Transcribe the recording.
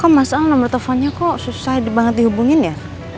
kok mas al nomer teleponnya kok susah banget dihubungin ya